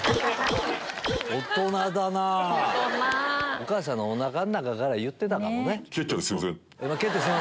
お母さんのおなかの中から言ってたかもね。